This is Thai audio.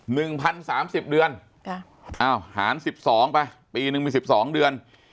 หนึ่งพันสามสิบเดือนจ้ะอ้าวหารสิบสองไปปีหนึ่งมีสิบสองเดือน